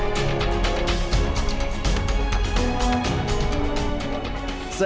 seorang warga yang berpengaruh untuk mengembangkan warga di sungai